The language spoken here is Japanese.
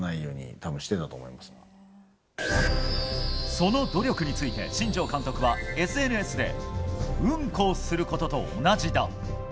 その努力について、新庄監督はＳＮＳでうんこをすることと同じだ。